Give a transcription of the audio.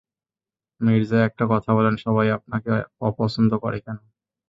মির্জা, একটা কথা বলেন, সবাই আপনাকে অপছন্দ করে কেন?